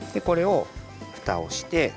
これをふたをして。